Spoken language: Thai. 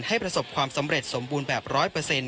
ประสบความสำเร็จสมบูรณ์แบบ๑๐๐